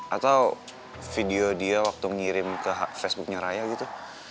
atau video dia waktu ngirim ke facebooknya raya gitu